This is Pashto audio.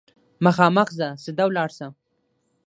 مخامخ ځه ، سیده ولاړ شه !